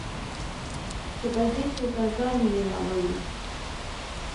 چې په دې توګه ځان لیلاموي.